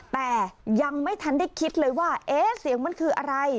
แต่ยังไม่ทันได้คิดเลยว่าเอ๊ะเสียงมันคืออะไร